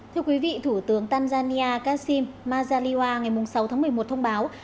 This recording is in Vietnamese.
thưa quý vị thủ tướng tanzania kassim mazaliwa ngày sáu tháng một mươi một thông báo